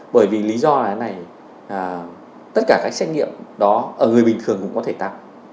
bởi vì lý do là tất cả các xét nghiệm đó ở người bình thường cũng có thể tăng